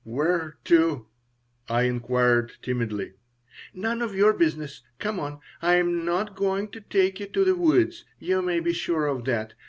"Where to?" I inquired, timidly. "None of your business. Come on. I'm not going to take you to the woods, you may be sure of that.